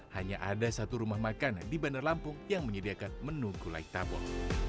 hanya ada satu rumah makan di bandar lampung yang menyediakan menu gulai tabon